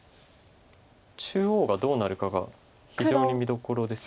中央がどうなるかが非常に見どころです。